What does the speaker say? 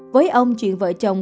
với ông chuyện vợ chồng